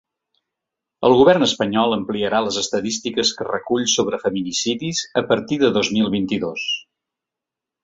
El govern espanyol ampliarà les estadístiques que recull sobre feminicidis a partir de dos mil vint-i-dos.